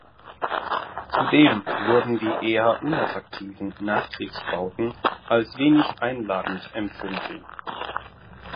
Zudem wurden die eher unattraktiven Nachkriegsbauten als wenig einladend empfunden.